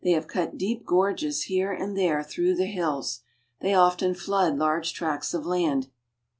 have cut deep gorges here and there through the hills. They often flood large tracts of land.